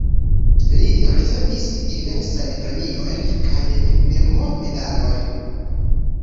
Li ricevis diversajn premiojn kaj memormedalojn.